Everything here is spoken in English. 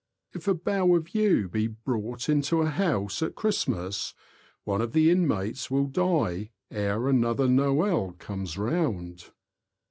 If a bough of yew be brought into a house at Christmas, one of the inmates will die ere another Noel comes round.